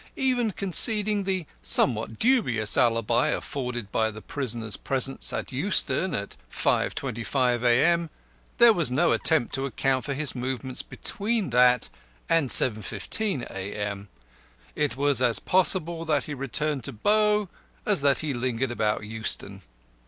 Even conceding the somewhat dubious alibi afforded by the prisoner's presence at Euston at 5.25 A.M., there was no attempt to account for his movements between that and 7.15 A.M. It was as possible that he returned to Bow as that he lingered about Euston.